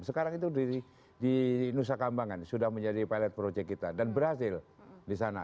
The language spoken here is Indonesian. sekarang itu di nusa kambangan sudah menjadi pilot project kita dan berhasil di sana